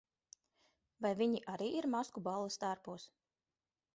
Vai viņi arī ir maskuballes tērpos?